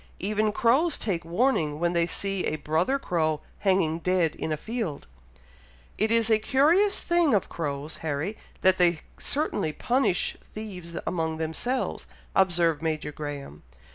Even crows take warning when they see a brother crow hanging dead in a field." "It is a curious thing of crows, Harry, that they certainly punish thieves among themselves," observed Major Graham.